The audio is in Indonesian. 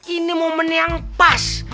ini momen yang pas